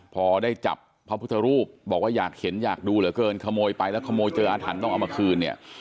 พอได้จับพระพุทธรูปบอกว่าอยากเห็นอยากดูเหลือเกินขโมยไปแล้วขโมยเจออาถรรพ์ต้องเอามาคืนเนี่ย